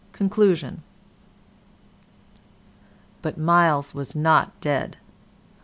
CONCLUSION But Myles was not dead.